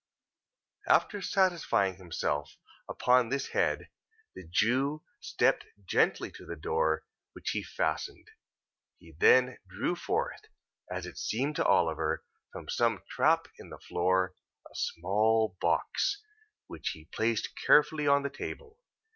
After satisfying himself upon this head, the Jew stepped gently to the door: which he fastened. He then drew forth: as it seemed to Oliver, from some trap in the floor: a small box, which he placed carefully on the table.